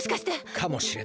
かもしれない。